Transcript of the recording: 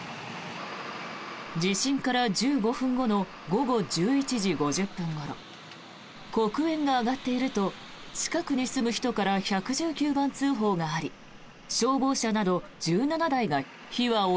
地震から１５分後の午後１１時５０分ごろ黒煙が上がっていると近くに住む人から１１９番通報があり消防車など１７台が出動。